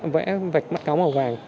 vẽ vạch mắt cáo màu vàng